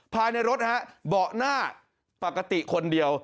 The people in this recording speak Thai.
ภายในรถฮะเบาะหน้าปกติคนเดียว